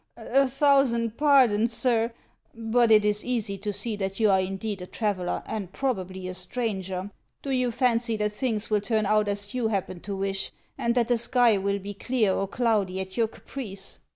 A thousand pardons, sir. But it is easy to see that you are indeed a traveller, and probably a stranger. Do you fancy that things will turn out as you happen to HANS OF ICELAND. 309 wish, and that the sky will be clear or cloudy at your caprice